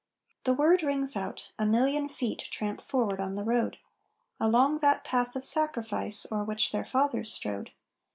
The word rings out; a million feet tramp forward on the road, Along that path of sacrifice o'er which their fathers strode.